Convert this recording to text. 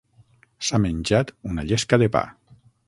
S'ha menjat una llesca de pa.